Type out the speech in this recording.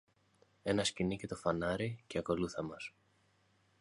ένα σκοινί και το φανάρι, και ακολούθα μας